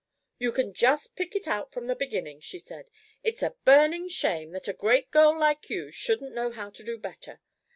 "You can just pick it out from the beginning," she said. "It's a burning shame that a great girl like you shouldn't know how to do better.